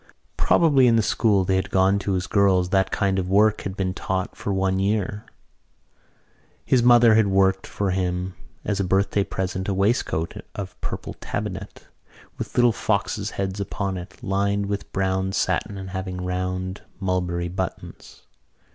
Probably in the school they had gone to as girls that kind of work had been taught for one year. His mother had worked for him as a birthday present a waistcoat of purple tabinet, with little foxes' heads upon it, lined with brown satin and having round mulberry buttons.